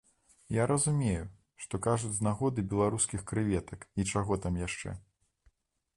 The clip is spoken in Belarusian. Я разумею, што кажуць з нагоды беларускіх крэветак і чаго там яшчэ.